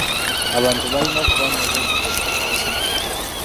Abantu bayina okuba n'obwesige mu Katonda.